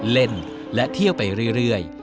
เล่นและเที่ยวไปเรื่อย